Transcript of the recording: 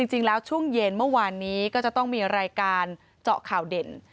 จริงแล้วช่วงเย็นเมื่อวานนี้ก็จะต้องมีรายการเจาะข่าวเด่น